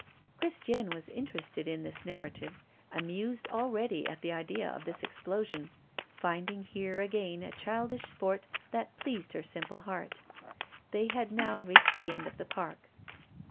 Christiane was interested in this narrative, amused already at the idea of this explosion, finding here again a childish sport that pleased her simple heart. They had now reached the end of the park.